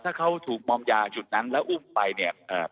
ถ้าเขาถูกมอมยาจุดนั้นแล้วอุ้มไปเนี่ย